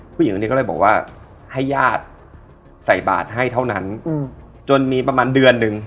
ผู้หญิงคนนี้ก็เลยบอกว่าให้ญาติใส่บาทให้เท่านั้นจนมีประมาณเดือนหนึ่ง